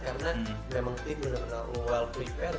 karena memang tim bener bener well prepare